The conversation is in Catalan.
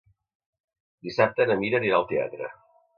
Dissabte na Mira anirà al teatre.